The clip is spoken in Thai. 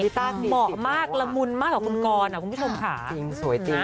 สิริต้าดีสินะว่ะคุณผู้ชมขาเหมาะมากละมุนมากกับคุณกรคุณผู้ชมขาจริงสวยจริง